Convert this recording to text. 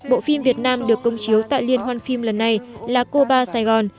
bộ phim việt nam được công chiếu tại liên hoan phim lần này là cô ba sài gòn